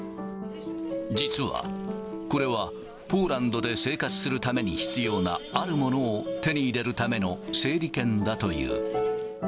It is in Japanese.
実は、これはポーランドで生活するために必要なあるものを手に入れるための整理券だという。